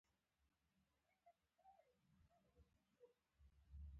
زده کوونکي د تفکر تمرین کول.